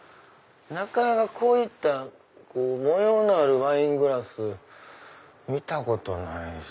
なかなかこういった模様のあるワイングラス見たことない。